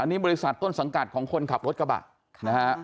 อันนี้บริษัทต้นสังกัดของคนขับรถกระบะ